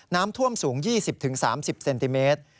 น้ำท่วมสูง๒๐๓๐เซนติเมตร